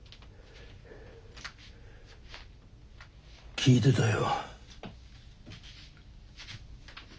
聞いてたよ。